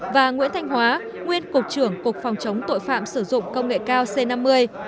và nguyễn thanh hóa nguyên cục trưởng cục phòng chống tội phạm sử dụng công nghệ cao c năm mươi